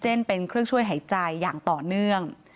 เช่นเป็นเครื่องช่วยหายใจอย่างต่อเนื่อง